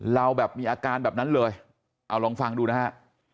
เราแบบมีอาการแบบนั้นเลยเอาลองฟังดูนะฮะ